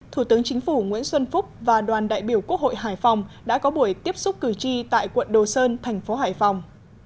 thủ tướng chính phủ nguyễn xuân phúc và đoàn đại biểu quốc hội hải phòng đã có buổi tiếp xúc cử tri tại quận đồ sơn thành phố hải phòng